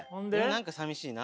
何かさみしいな。